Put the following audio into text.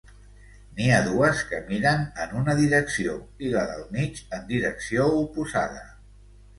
N'hi ha dues que miren en una direcció i la del mig en direcció oposada.